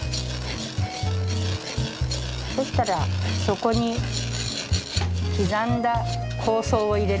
そしたらそこに刻んだ香草を入れる？